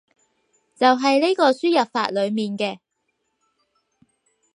就係呢個輸入法裏面嘅